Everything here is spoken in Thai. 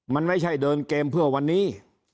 มันไม่ใช่เดินเกมเพื่อวันนี้